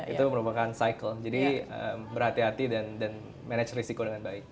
itu merupakan cycle jadi berhati hati dan manage risiko dengan baik